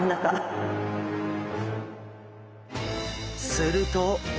すると。